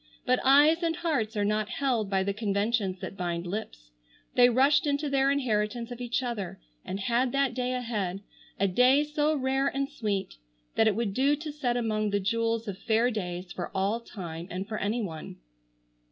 But eyes and hearts are not held by the conventions that bind lips. They rushed into their inheritance of each other and had that day ahead, a day so rare and sweet that it would do to set among the jewels of fair days for all time and for any one.